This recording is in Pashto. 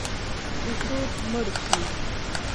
چې څوک مړ شي